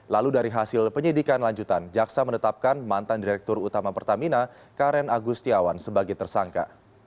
lalu dari hasil penyidikan lanjutan jaksa menetapkan mantan direktur utama pertamina karen agustiawan sebagai tersangka